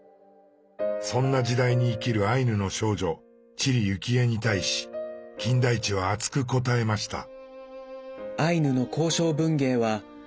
そんな時代に生きるアイヌの少女知里幸恵に対し金田一は熱く答えました。